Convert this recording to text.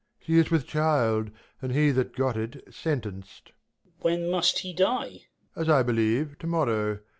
She is Avith child, And he that got it sentenc'd. Duke. When must he die 1 Prov. As I believe, to morrow.